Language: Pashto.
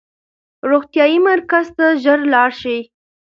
روغتیايي مرکز ته ژر لاړ شئ.